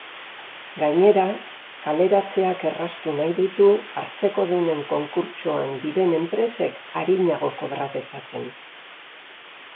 Gainera, kaleratzeak erraztu nahi ditu hartzekodunen konkurtsoan diren enpresek arinago kobra dezaten.